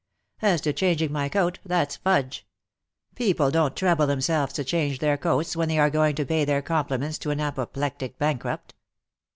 As to changing my coat, that's fudge. People don't trouble themselves to change their coats, when they are going to pay their compliments to an apoplectic bankrupt."